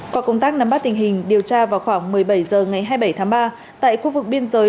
qua công tác nắm bắt tình hình điều tra vào khoảng một mươi bảy h ngày hai mươi bảy tháng ba tại khu vực biên giới